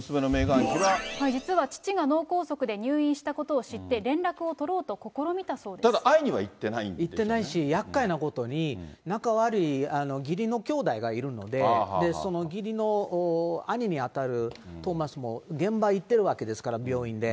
実は、父が脳梗塞で入院したことを知って、ただ、行ってないし、やっかいなことに、仲悪い義理のきょうだいがいるので、その義理の兄に当たるトーマスも現場行ってるわけですから、病院で。